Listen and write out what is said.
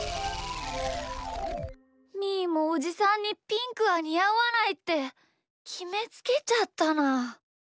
みーもおじさんにピンクはにあわないってきめつけちゃったな。